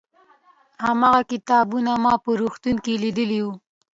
هماغه کتابونه ما په روغتون کې لیدلي وو.